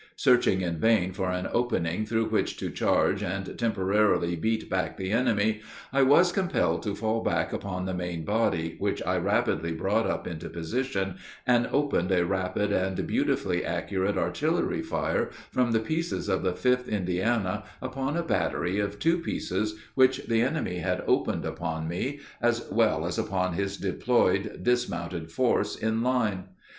Searching in vain for an opening through which to charge and temporarily beat back the enemy, I was compelled to fall back upon the main body, which I rapidly brought up into position, and opened a rapid and beautifully accurate artillery fire from the pieces of the 5th Indiana upon a battery of two pieces which the enemy had opened upon me, as well as upon his deployed dismounted force in line.